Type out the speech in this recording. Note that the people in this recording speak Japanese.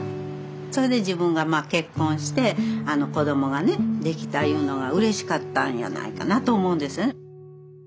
それで自分が結婚して子どもがねできたいうのがうれしかったんやないかなと思うんですよね。